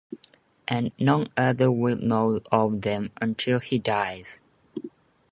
And none other will know of them until he dies.